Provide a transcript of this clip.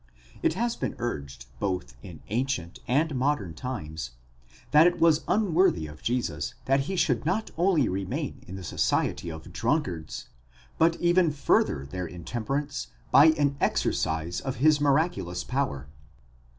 It has been urged both in ancient ὃ and modern? times, that it was unworthy of Jesus that he should not only remain in the society of drunkards, but even further their in temperance by an exercise of his miraculous power.